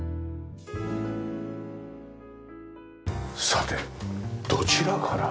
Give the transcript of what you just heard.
さてどちらから？